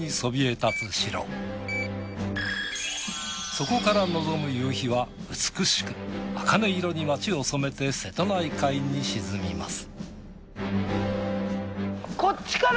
そこから望む夕日は美しくあかね色に街を染めて瀬戸内海に沈みます。